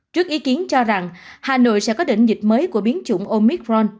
trước ý kiến cho rằng hà nội sẽ có đỉnh dịch mới của biến chủng omicron